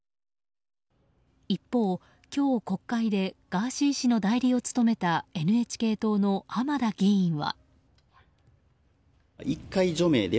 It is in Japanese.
一方、今日国会でガーシー氏の代理を務めたＮＨＫ党の浜田議員は。